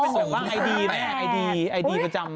ก็เป็น๐๕๘